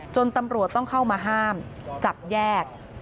ตำรวจต้องเข้ามาห้ามจับแยก